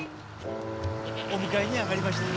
お迎えに上がりました。